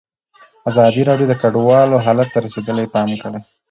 ازادي راډیو د کډوال حالت ته رسېدلي پام کړی.